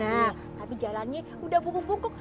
nah tapi jalannya udah bungkuk bungkuk